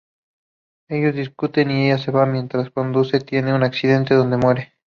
Ellos discuten y ella se va; mientras conduce tiene un accidente donde muere.